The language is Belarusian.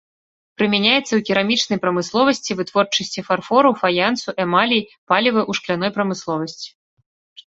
Прымяняецца ў керамічнай прамысловасці, вытворчасці фарфору, фаянсу, эмалей, палівы, у шкляной прамысловасці.